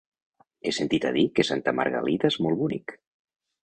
He sentit a dir que Santa Margalida és molt bonic.